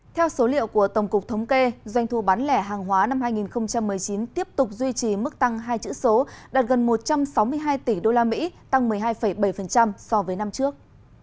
theo số liệu của tổng cục thống kê doanh thu bán lẻ hàng hóa năm hai nghìn một mươi chín tiếp tục duy trì mức tăng hai chữ số đạt gần một trăm sáu mươi hai tỷ usd tăng một mươi hai bảy so với năm trước